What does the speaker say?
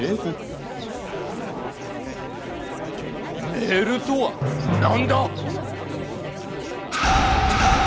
メールとは何だ？